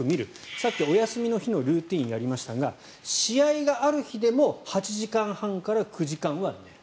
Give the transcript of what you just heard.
さっきお休みの日のルーチンをやりましたが試合がある日でも８時間半から９時間は寝る。